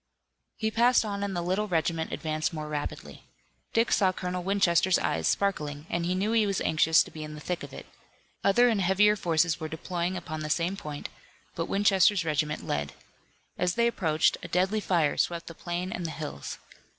He passed on and the little regiment advanced more rapidly. Dick saw Colonel Winchester's eyes sparkling and he knew he was anxious to be in the thick of it. Other and heavier forces were deploying upon the same point, but Winchester's regiment led. As they approached a deadly fire swept the plain and the hills.